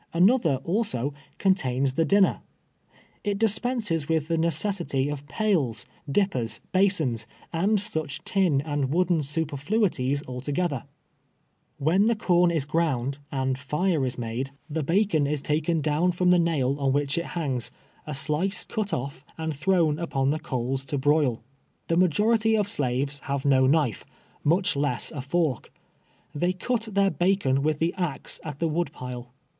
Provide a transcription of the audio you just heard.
Another, also, contains the din ner. It dispenses with tlie necessity of pails, dippers, basins, and such tin and wooden superfluities alto gether. AVhen tlio corn is ground, and fire is made, the II 170 TATELVE TEARS A SLATE. bacon is taken down from tlio nail on wliicli it liangs, a slice cut off and thrown upon the coals to broil. The majority of slaves have no knife, much less a fork. They cut their bacon with the axe at the wood pile.